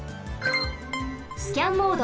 スキャンモード。